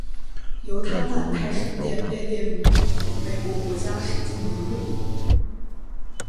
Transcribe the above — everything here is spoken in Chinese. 犹他曼泰圣殿被列入美国国家史迹名录。